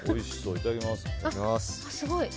いただきます。